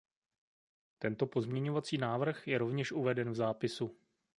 Tento pozměňovací návrh je rovněž uveden v zápisu.